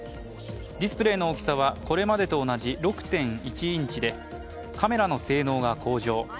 ディスプレイの大きさはこれまでと同じ６．１インチでカメラの性能が向上。